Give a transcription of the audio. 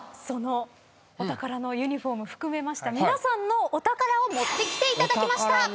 そのお宝のユニホーム含めました皆さんのお宝を持ってきていただきました。